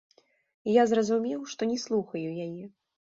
І я зразумеў, што не слухаю яе.